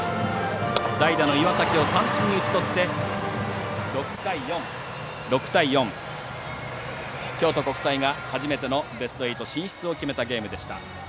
代打の岩崎を三振に打ちとって６対４、京都国際が初めてのベスト８進出を決めたゲームでした。